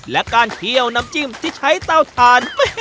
และการเคี่ยวน้ำจิ้มที่ใช้เต้าทาน